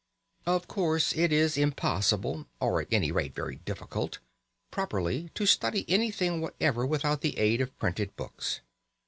Of course it is impossible, or at any rate very difficult, properly to study anything whatever without the aid of printed books.